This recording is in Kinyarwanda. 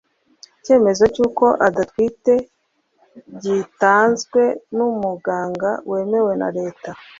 icyemezo cy’uko adatwite gitanzwe n’umuganga wemewe na leta